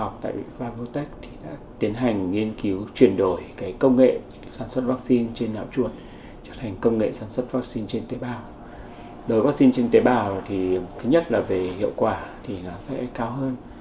vì vậy các loại vaccine trên tế bào thứ nhất là về hiệu quả thì nó sẽ cao hơn